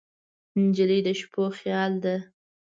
نجلۍ د شپو خیال ده.